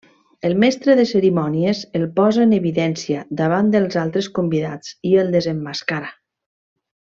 El mestre de cerimònies el posa en evidència davant dels altres convidats i el desemmascara.